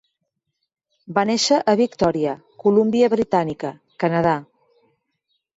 Va néixer a Victòria, Columbia Britànica, Canadà.